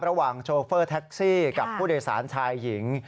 โชเฟอร์แท็กซี่กับผู้โดยสารชายหญิง